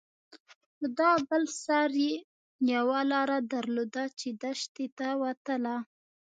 خو دا بل سر يې يوه لاره درلوده چې دښتې ته وتله.